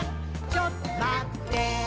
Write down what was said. ちょっとまってぇー」